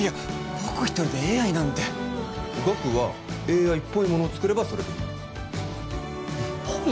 僕一人でＡＩなんてガクはＡＩっぽいものを作ればそれでいいぽい？